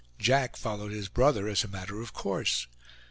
Jack followed his brother, as a matter of course.